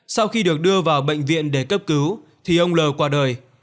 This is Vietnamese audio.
sau khi được đưa vào bệnh viện để cấp cứu thì ông l qua đời